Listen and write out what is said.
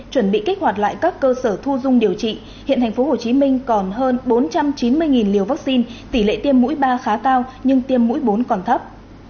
chuẩn bị kích hoạt lại các cơ sở thu dung điều trị hiện tp hcm còn hơn bốn trăm chín mươi liều vaccine tỷ lệ tiêm mũi ba khá cao nhưng tiêm mũi bốn còn thấp